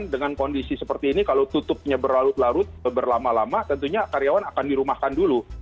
dengan kondisi seperti ini kalau tutupnya berlarut larut berlama lama tentunya karyawan akan dirumahkan dulu